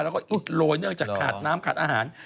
แล้วก็โรยเนื่องจากขาดน้ำขาดอาหาร